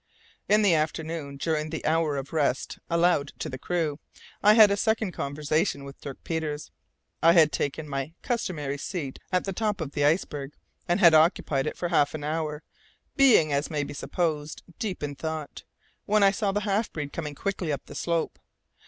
In the afternoon, during the hour of rest allowed to the crew, I had a second conversation with Dirk Peters. I had taken my customary seat at the top of the iceberg, and had occupied it for half an hour, being, as may be supposed, deep in thought, when I saw the half breed coming quickly up the slope.